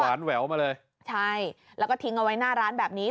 หวานแหววมาเลยใช่แล้วก็ทิ้งเอาไว้หน้าร้านแบบนี้